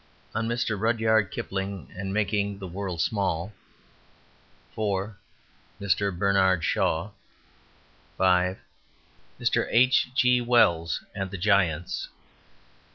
On Mr. Rudyard Kipling and Making the World Small 4. Mr. Bernard Shaw 5. Mr. H. G. Wells and the Giants 6.